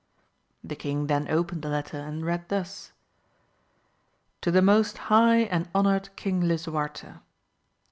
The king then opened the letter and read thus : To the most high and honoured King lAsuarte.